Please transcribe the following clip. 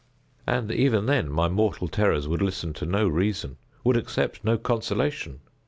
And, even then, my mortal terrors would listen to no reason—would accept no consolation.